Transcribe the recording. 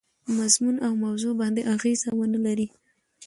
مضمون او موضوع باندي اغېزه ونه لري.